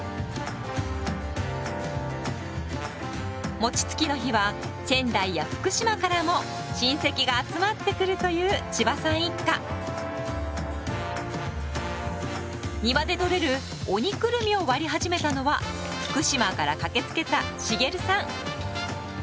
もちつきの日は仙台や福島からも親戚が集まってくるという庭でとれる「おにくるみ」を割り始めたのは福島から駆けつけた茂さん。